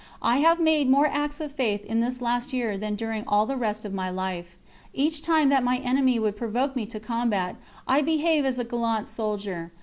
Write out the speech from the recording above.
I have made more acts of Faith in this last year than during all the rest of my life. Each time that my enemy would provoke me to combat, I behave as a gallant soldier.